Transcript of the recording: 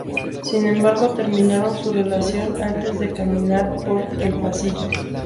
Sin embargo, terminaron su relación antes de caminar por el pasillo.